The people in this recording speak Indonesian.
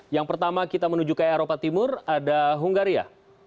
yang pertama kita menuju ke eropa timur ada hungaria